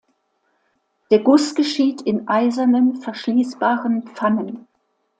Der Guss geschieht in eisernen, verschließbaren Pfannen.